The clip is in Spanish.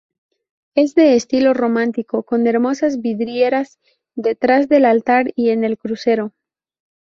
Es de estilo románico con hermosas vidrieras detrás del altar y en el crucero.